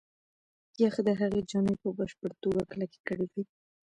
یخ د هغې جامې په بشپړه توګه کلکې کړې وې.